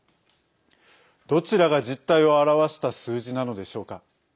どちらが実態を表した数字なのでしょうか。